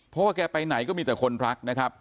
เพราะว่าแกไปไหนก็มีแต่คนรักนะครับ